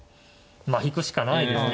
まあ引くしかないですね。